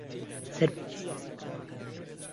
سەرپێچیی یاساکان مەکەن.